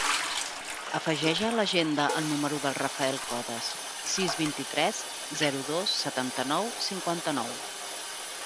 Afegeix a l'agenda el número del Rafael Codes: sis, vint-i-tres, zero, dos, setanta-nou, cinquanta-nou.